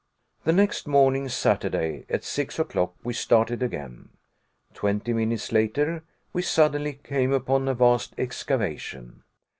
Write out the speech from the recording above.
The next morning, Saturday, at six o'clock, we started again. Twenty minutes later we suddenly came upon a vast excavation.